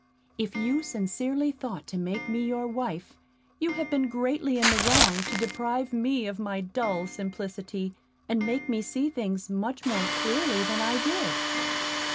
If you sincerely thought to make me your wife, you have been greatly in the wrong to deprive me of my dull simplicity, and make me see things much more clearly than I did."